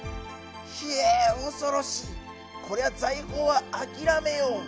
「ひえ恐ろしいこりゃ財宝は諦めよう」